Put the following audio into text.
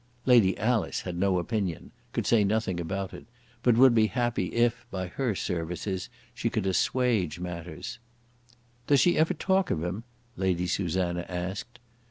Lady Alice had no opinion, could say nothing about it; but would be happy if, by her services, she could assuage matters. "Does she ever talk of him," Lady Susanna asked.